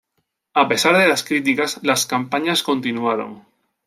A pesar de las críticas, las "campañas" continuaron.